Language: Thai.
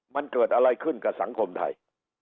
มันเกิดอะไรขึ้นกับสังคมไทย